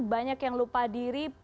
banyak yang lupa diri